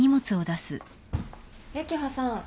幸葉さん